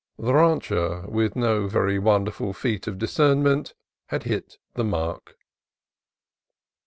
The rancher, with no very wonderful feat of dis cernment, had hit the mark.